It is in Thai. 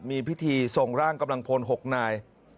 มีพิธีส่งร่างกำลังพล๖นาย